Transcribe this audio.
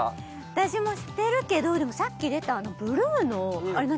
私もしてるけどでもさっき出たあのブルーのあれ何？